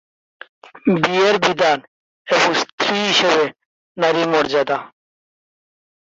বিয়ের বিধান, এবং স্ত্রী হিসেবে নারীর মর্যাদা।